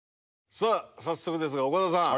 さあ早速ですが岡田さん